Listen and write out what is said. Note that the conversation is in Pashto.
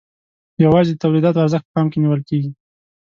یوازې د تولیداتو ارزښت په پام کې نیول کیږي.